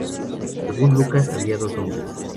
Según Lucas había dos hombres.